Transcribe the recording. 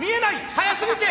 速すぎて。